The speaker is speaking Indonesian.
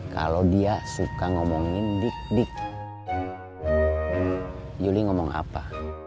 kalau dia suka ngomongin dik dik yuli ngomong apa